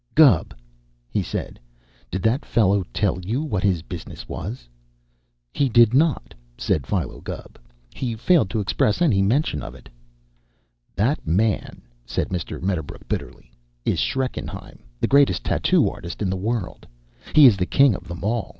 "Gubb," he said, "did that fellow tell you what his business was?" "He did not," said Philo Gubb. "He failed to express any mention of it." "That man," said Mr. Medderbrook bitterly, "is Schreckenheim, the greatest tattoo artist in the world. He is the king of them all.